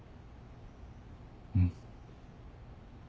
うん。